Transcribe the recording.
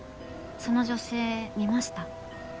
その女性見ました？